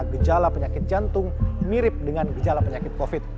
gejala penyakit jantung mirip dengan gejala penyakit covid